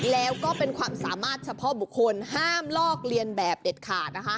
แล้วก็เป็นความสามารถเฉพาะบุคคลห้ามลอกเลียนแบบเด็ดขาดนะคะ